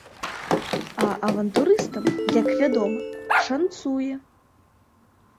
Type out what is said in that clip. А авантурыстам, як вядома, шанцуе.